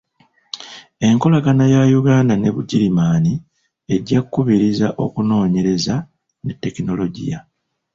Enkolagana ya Uganda ne Bugirimani ejja kubiriza okunoonyereza ne tekinologiya.